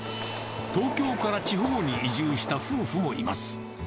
東京から地方に移住した夫婦もいます。